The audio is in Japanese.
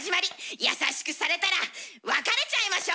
優しくされたら別れちゃいましょう！